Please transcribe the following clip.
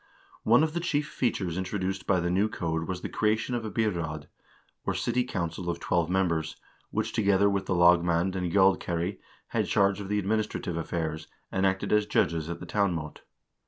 One of the chief features introduced by the new code was the creation of a byraad, or city council of twelve members, which together with the lagmand and gjaldkeri had charge of the administrative affairs, and acted as judges at the town mot.